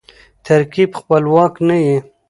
ترکیب خپلواک نه يي.